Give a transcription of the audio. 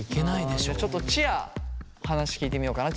じゃちょっとちあ話聞いてみようかな。